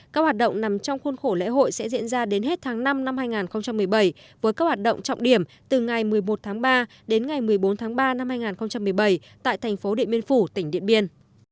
các hoạt động nằm trong khuôn khổ lễ hội sẽ diễn ra đến hết tháng năm năm hai nghìn một mươi bảy với các hoạt động trọng điểm từ ngày một mươi một tháng ba đến ngày một mươi bốn tháng ba năm hai nghìn một mươi bảy tại thành phố điện biên phủ tỉnh điện biên